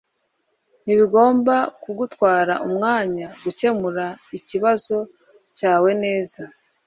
Ntibigomba kugutwara umwanya gukemura ikibazo cyawe neza.